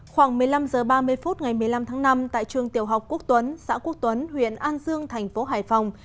khoảng một mươi năm h ba mươi phút ngày một mươi năm tháng năm tại trường tiểu học quốc tuấn xã quốc tuấn huyện an dương thành phố hải phòng